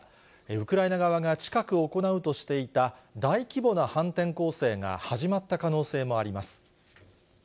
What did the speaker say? ウクライナ側が近く行うとしていた大規模な反転攻勢が始まった可能性もあります。